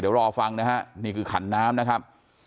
เดี๋ยวรอฟังนะฮะนี่คือขันน้ำนะครับ